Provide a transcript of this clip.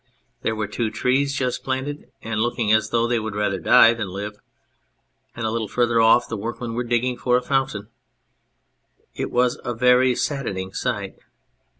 There were two trees just planted and looking as though they would rather die than live, and a little further off the workmen were digging for a fountain. It was a very saddening sight.